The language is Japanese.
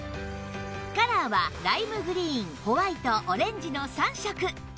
カラーはライムグリーンホワイトオレンジの３色